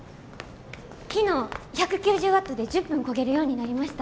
昨日１９０ワットで１０分こげるようになりました。